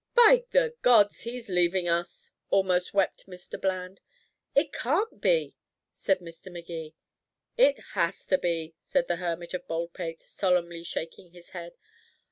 "By the gods, he's leaving us," almost wept Mr. Bland. "It can't be," said Mr. Magee. "It has to be," said the Hermit of Baldpate, solemnly shaking his head.